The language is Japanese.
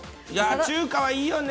中華はいいよね。